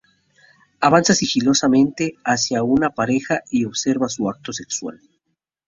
Avanza sigilosamente hacia una pareja y observa su acto sexual.